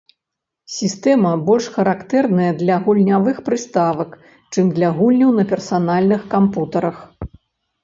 Сістэма больш характэрная для гульнявых прыставак, чым для гульняў на персанальных кампутарах.